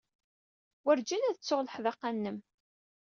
Werjin ad ttuɣ leḥdaqa-nnem.